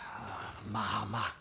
まあまあ。